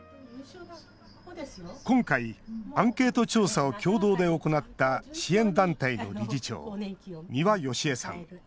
今回、アンケート調査を共同で行った支援団体の理事長三羽良枝さん。